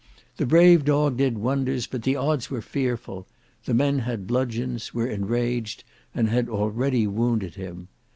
The brave dog did wonders, but the odds were fearful; and the men had bludgeons, were enraged, and had already wounded him.